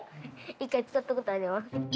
１回使ったことあります。